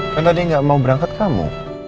kan tadi gak mau berangkat kamu